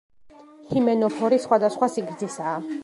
ჰიმენოფორი სხვადასხვა სიგრძისაა.